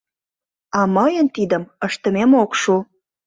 А мыйын тидым ыштымем ок шу!